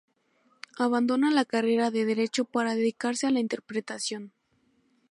Abandona la carrera de Derecho para dedicarse a la interpretación.